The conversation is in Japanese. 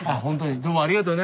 どうもありがとうね。